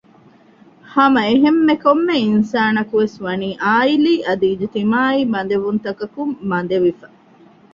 ހަމައެހެންމެ ކޮންމެ އިންސާނަކުވެސް ވަނީ ޢާއިލީ އަދި އިޖްތިމާޢީ ބަދެވުންތަކަކުން ބަނދެވިފަ